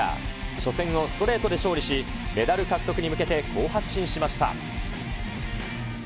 初戦をストレートで勝利し、メダル獲得に向けて好発進しました。